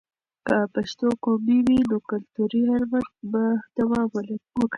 که پښتو قوي وي، نو کلتوري حرمت به دوام وکړي.